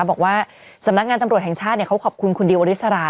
บอกว่าสำนักงานตำรวจแห่งชาติเขาขอบคุณคุณดิวอริสรา